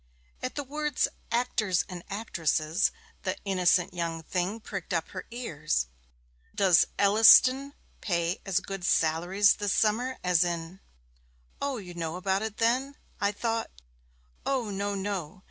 At the words 'actors and actresses,' the innocent young thing pricked up her ears. 'Does Elliston pay as good salaries this summer as in ?' 'O, you know about it then? I thought ' 'O no, no!